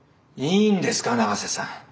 いいんですか永瀬さん。